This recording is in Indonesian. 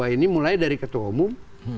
ini mulai dari ketua umum